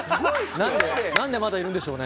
何でまだいるんでしょうね。